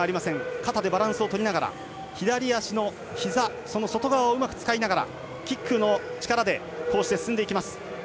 肩でバランスをとりながら左足のひざ、その外側をうまく使いながらキックの力で進んでいきます。